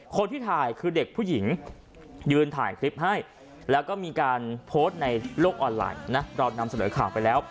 คนที่ถ่ายคือเด็กผู้หญิงยืนถ่ายคลิปให้แล้วก็มีการโพสต์ในโลกออนไลน์